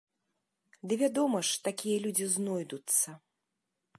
Ды вядома ж, такія людзі знойдуцца!